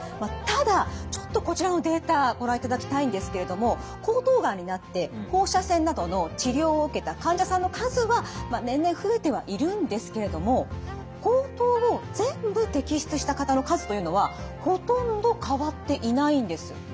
ただちょっとこちらのデータご覧いただきたいんですけれども喉頭がんになって放射線などの治療を受けた患者さんの数は年々増えてはいるんですけれども喉頭を全部摘出した方の数というのはほとんど変わっていないんです。